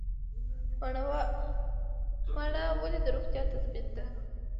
مڼه ولې د روغتیا تضمین ده؟